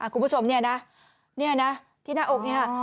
คุณผู้ชมนี่นะที่หน้าอกนี้